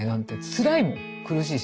つらいもん苦しいし。